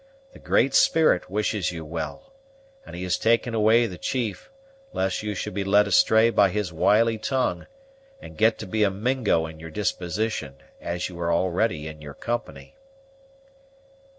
The Great Spirit wishes you well, and He has taken away the chief, lest you should be led astray by his wily tongue, and get to be a Mingo in your disposition, as you were already in your company."